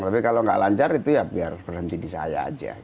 tapi kalau nggak lancar itu ya biar berhenti di saya aja